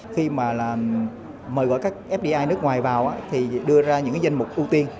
khi mà mời gọi các fdi nước ngoài vào thì đưa ra những danh mục ưu tiên